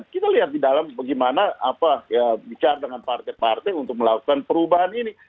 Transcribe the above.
kita lihat di dalam bagaimana bicara dengan partai partai untuk melakukan perubahan ini